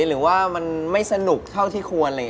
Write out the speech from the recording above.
หรือว่ามันไม่สนุกเท่าที่ควร